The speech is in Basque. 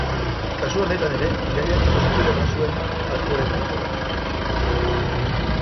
Kasu honetan ere, gidariak positiboa eman zuen alkoholemia frogan.